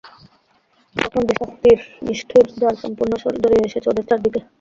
তখন যে শাস্তির নিষ্ঠুর জাল সম্পূর্ণ জড়িয়ে এসেছে ওদের চারদিকে।